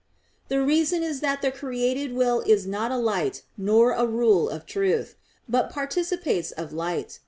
The reason is that the created will is not a light, nor a rule of truth; but participates of light.